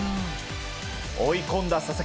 追い込んだ佐々木。